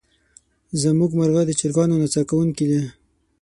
زمونږ مرغه د چرګانو نڅا کوونکې دی.